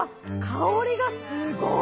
香りがすごい。